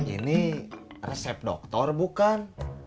ini resep dokter bukan